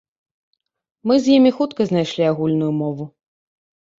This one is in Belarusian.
Мы з імі хутка знайшлі агульную мову.